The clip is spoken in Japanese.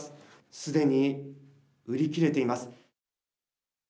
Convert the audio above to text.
すでに売り切れています。